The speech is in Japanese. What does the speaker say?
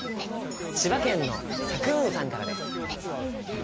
千葉県のさくーんさんからです。